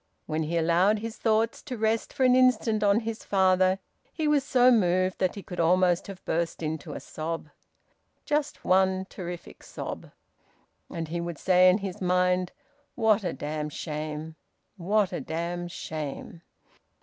When he allowed his thoughts to rest for an instant on his father he was so moved that he could almost have burst into a sob just one terrific sob. And he would say in his mind, "What a damned shame! What a damned shame!"